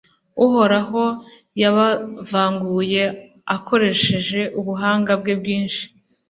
Uhoraho yabavanguye akoresheje ubuhanga bwe bwinshi,